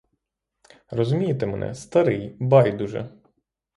Розумієте мене, старий, байдуже.